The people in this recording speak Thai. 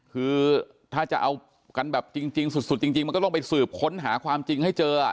คือถ้าจะเอากันแบบจริงสุดจริงมันก็ต้องไปสืบค้นหาความจริงให้เจอ